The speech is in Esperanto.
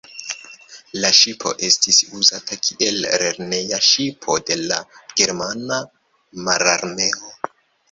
La ŝipo estis uzata kiel lerneja ŝipo de la Germana Mararmeo.